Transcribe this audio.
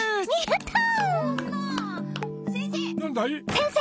先生！